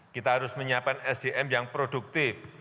kita harus menyiapkan sdm yang produktif